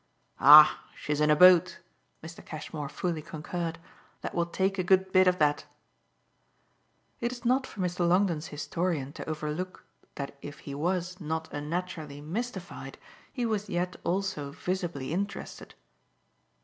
"Ah, she's in a boat," Mr. Cashmore fully concurred, "that will take a good bit of that." It is not for Mr. Longdon's historian to overlook that if he was, not unnaturally, mystified he was yet also visibly interested.